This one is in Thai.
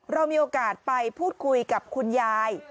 เรามีโอกาสไปพูดคุยกับคุณยาย